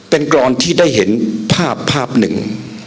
เป็นกรอนที่ได้เห็นภาพภาพหนึ่ง